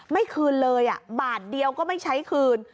ไม่คืนเลยบาทเดียวก็ไม่ใช้คืน